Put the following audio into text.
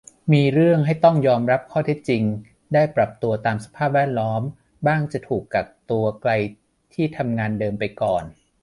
มีเรื่องให้ต้องยอมรับข้อเท็จจริง ได้ปรับตัวตามสภาพแวดล้อม บ้างจะถูกกักตัวไกลที่ทำงานเดิมไปก่อน